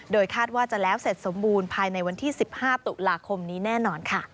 คาดว่าจะแล้วเสร็จสมบูรณ์ภายในวันที่๑๕ตุลาคมนี้แน่นอนค่ะ